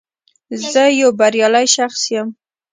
زه یو بریالی شخص یم